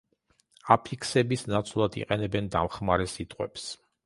აფიქსების ნაცვლად იყენებენ დამხმარე სიტყვებს.